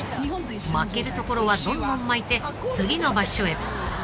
［巻けるところはどんどん巻いて次の場所へ］